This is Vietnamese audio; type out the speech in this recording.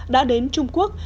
đã đến trung quốc